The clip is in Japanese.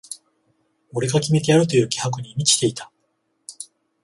俺が決めてやるという気迫に満ちていた